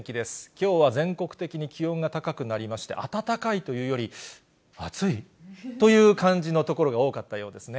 きょうは全国的に気温が高くなりまして、暖かいというより暑いという感じの所が多かったようですね。